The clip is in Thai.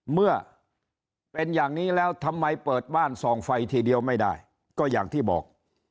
เมื่อเป็นอย่างนี้แล้วทำไมเปิดบ้านส่องไฟทีเดียวไม่ได้ก็อย่างที่บอก